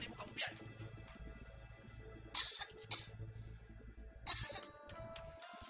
udah tombolnya kue